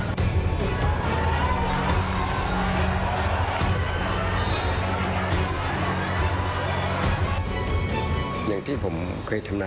สวัสดีครับทุกคน